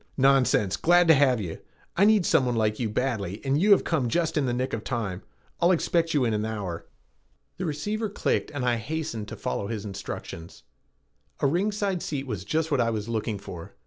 "Nonsense, glad to have you. I needed someone like you badly and you have come just in the nick of time. I'll expect you in an hour." The receiver clicked and I hastened to follow his instructions. A ringside seat was just what I was looking for.